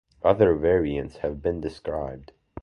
Other variants have been described.